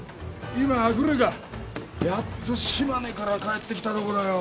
今グレがやっと島根から帰ってきたとこだよ。